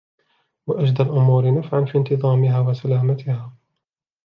وَأَجْدَى الْأُمُورَ نَفْعًا فِي انْتِظَامِهَا وَسَلَامَتِهَا